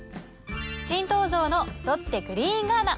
新登場のロッテグリーンガーナ。